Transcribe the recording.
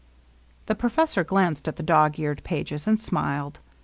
The professor glanced at the dog eared pages and smiled.